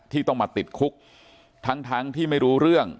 ที่ต้องมาติดคุกทั้งทั้งที่ไม่รู้เรื่อง